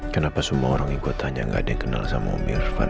kenapa semua orang yang gue tanya gak ada yang kenal sama om irfan ya